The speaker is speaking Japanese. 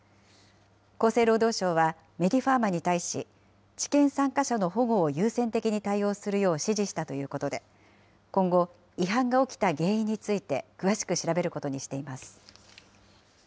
厚生労働省は、メディファーマに対し、治験参加者の保護を優先的に対応するよう指示したということで、今後、違反が起きた原因について、詳しく調べることにしています。